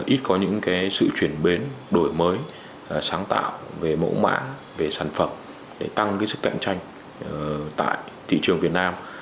ít có những sự chuyển biến đổi mới sáng tạo về mẫu mã về sản phẩm để tăng sức cạnh tranh tại thị trường việt nam